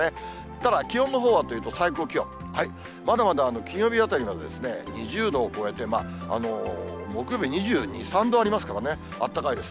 ただ、気温のほうはというと、最高気温、まだまだ金曜日あたりまで、２０度を超えて、木曜日は２２、３度ありますからね、あったかいです。